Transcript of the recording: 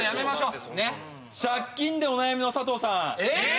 借金でお悩みの佐藤さん。